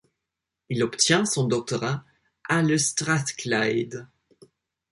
Il obtient son doctorat à l'Strathclyde.